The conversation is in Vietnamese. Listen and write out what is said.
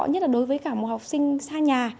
nhất là đối với cả một học sinh xa nhà